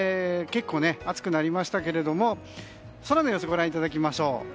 結構暑くなりましたけれども空の様子ご覧いただきましょう。